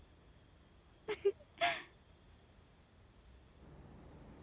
フフッ。